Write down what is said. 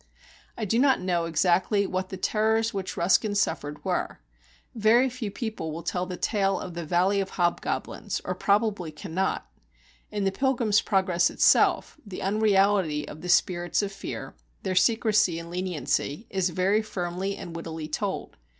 I do not know exactly what the terrors which Ruskin suffered were very few people will tell the tale of the valley of hobgoblins, or probably cannot! In the Pilgrim's Progress itself, the unreality of the spirits of fear, their secrecy and leniency, is very firmly and wittily told.